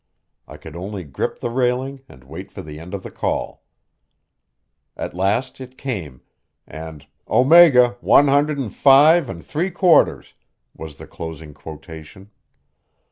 I could only grip the railing and wait for the end of the call. At last it came, and "Omega, one hundred and five and three quarters" was the closing quotation.